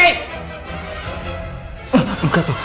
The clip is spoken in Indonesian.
eh enggak tuh